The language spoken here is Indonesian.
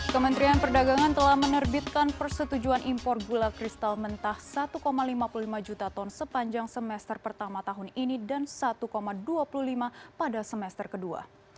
kementerian perdagangan telah menerbitkan persetujuan impor gula kristal mentah satu lima puluh lima juta ton sepanjang semester pertama tahun ini dan satu dua puluh lima pada semester kedua